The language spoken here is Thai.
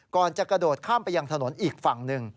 ก่อนจะกระโดดข้ามไปยังถนนอีกฝั่งหนึ่ง